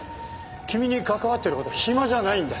君に関わってるほど暇じゃないんだ。